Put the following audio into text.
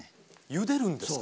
ゆでるんですか？